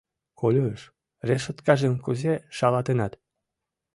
— Колюш, решоткажым кузе шалатенат?